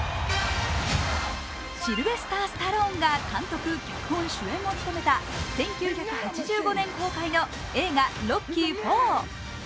シルベスター・スタローンが監督・脚本・主演を務めた１９８５年公開の映画「ロッキー４」。